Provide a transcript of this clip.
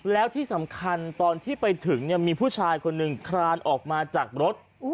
แล้วที่สำคัญตอนที่ไปถึงมีผู้ชายคนหนึ่งคลานออกมาจากรถ